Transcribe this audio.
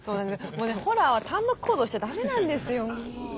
もうねホラーは単独行動しちゃ駄目なんですよ。